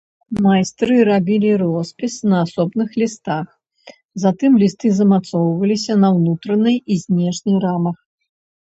Майстры рабілі роспіс на асобных лістах, затым лісты змацоўваліся на ўнутранай і знешняй рамах.